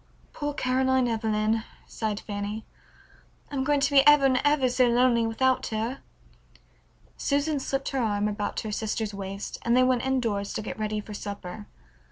"Poor Caroline Evelyn," sighed Fanny, "I'm going to be ever and ever so lonely without her." Susan slipped her arm about her sister's waist, and they went indoors to get ready for supper.